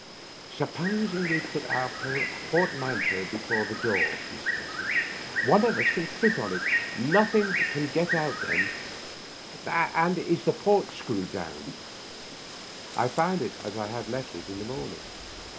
"Supposing we put your portmanteau before the door," he suggested. " One of us can sit on it. Noth ing can get out then. Is the port screwed down?" I found it as I had left it in the morning.